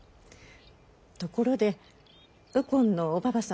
ところで右近のおばば様。